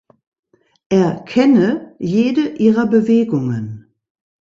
Er kenne jede ihrer Bewegungen.